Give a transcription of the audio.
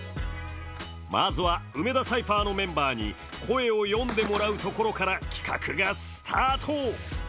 まずは梅田サイファーのメンバーに「声」を読んでもらうところから企画がスタート。